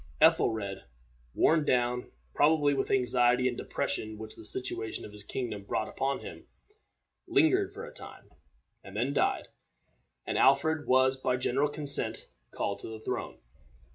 Ethelred, worn down, probably, with the anxiety and depression which the situation of his kingdom brought upon him, lingered for a time, and then died, and Alfred was by general consent called to the throne.